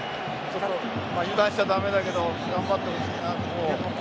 油断しちゃだめだけど頑張ってほしいな、ここ。